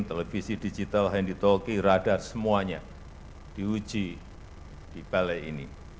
televisi digital handi talki radar semuanya diuji di balai ini